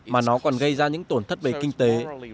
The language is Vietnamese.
mà nó còn gây ra những tổn thất về kinh tế